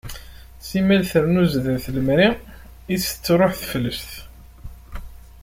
Simmal trennu sdat n lemri i as-tettruḥ teflest.